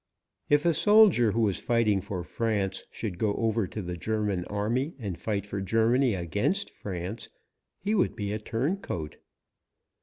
If a soldier who is fighting for France should go over to the German army and fight for Germany against France, he would be a turncoat.